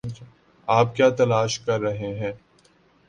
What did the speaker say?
آپ کیا تلاش کر رہے ہیں؟